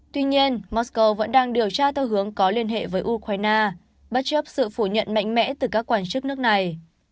tuy nhiên moscow vẫn đang điều tra theo hướng có liên hệ với ukraine bất chấp sự phủ nhận mạnh mẽ từ các quan chức nước này